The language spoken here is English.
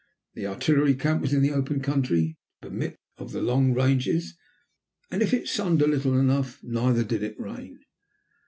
The artillery camp was in open country, to permit of the long ranges, and if it sunned little enough, neither did it rain.